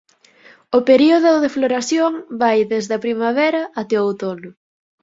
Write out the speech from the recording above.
O período de floración vai desde a primavera até o outono.